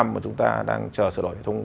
mà chúng ta đang chờ sửa đổi hệ thống